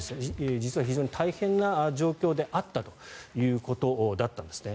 実は非常に大変な状況であったということだったんですね。